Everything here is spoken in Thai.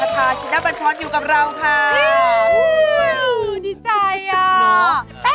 ขทาชินบัชชนอยู่กับเราค่ะนิ้วดีใจอ่ะ